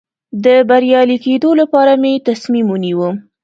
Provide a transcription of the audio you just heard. د بریالي کېدو لپاره مې تصمیم ونیو.